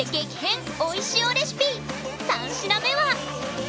三品目は！